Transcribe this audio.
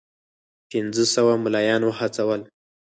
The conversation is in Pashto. پنځه سوه مُلایان وهڅول.